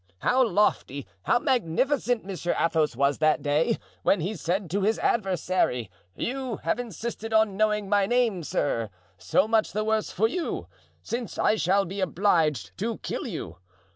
how lofty, how magnificent Monsieur Athos was that day, when he said to his adversary: 'You have insisted on knowing my name, sir; so much the worse for you, since I shall be obliged to kill you.